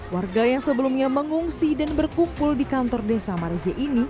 warga yang sebelumnya mengungsi dan berkumpul di kantor desa mareje ini